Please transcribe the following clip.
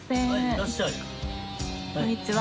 こんにちは。